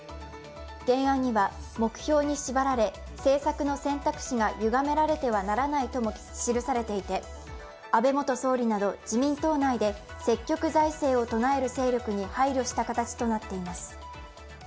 原案には目標に縛られ政策の選択肢がゆがめられてはならないとも記されていて安倍元総理など自民党内で積極財政を唱える勢力に配慮した形となっています。